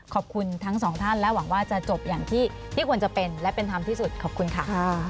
ขอบคุณทั้งสองท่านและหวังว่าจะจบอย่างที่ควรจะเป็นและเป็นธรรมที่สุดขอบคุณค่ะ